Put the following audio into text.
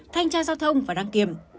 thanh tra giao thông và đăng kiểm